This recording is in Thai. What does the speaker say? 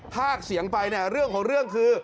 ภาคเสียงไปเนี่ยเรื่องของเรื่องคือ